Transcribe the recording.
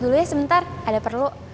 dulunya sebentar ada perlu